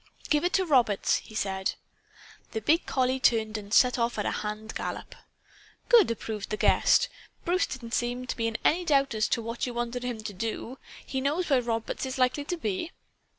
"Give it to Roberts," he said. The big collie turned and set off at a hand gallop. "Good!" approved the guest. "Bruce didn't seem to be in any doubt as to what you wanted him to do. He knows where Roberts is likely to be?"